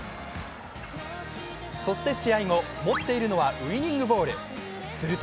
そして試合後、持っているのはウイニングボール、すると